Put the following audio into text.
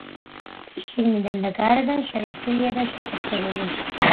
შიგნიდან და გარედან შელესილია და შეთეთრებული.